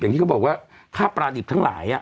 ที่เขาบอกว่าค่าปลาดิบทั้งหลาย